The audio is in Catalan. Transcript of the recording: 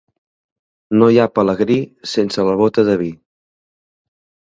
No hi ha pelegrí sense la bota de vi.